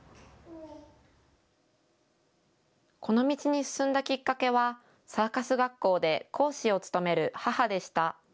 この道に進んだきっかけはサーカス学校で講師を務める母でした。